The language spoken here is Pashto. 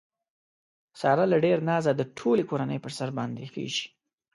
ساره له ډېره نازه د ټولې کورنۍ په سر باندې خېژي.